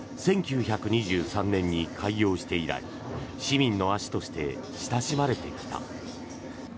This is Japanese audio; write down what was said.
１９２３年に開業して以来市民の足として親しまれてきた。